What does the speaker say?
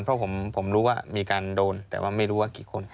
เพราะผมรู้ว่ามีการโดนแต่ว่าไม่รู้ว่ากี่คน